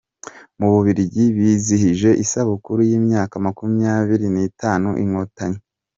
Mu Bubiligi bizihije isabukuru y’imyaka makumyabiri nitanu Inkotanyi